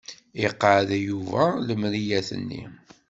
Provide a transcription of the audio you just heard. Iqeɛɛed Yuba lemriyat-nni.